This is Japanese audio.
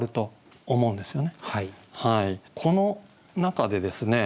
この中でですね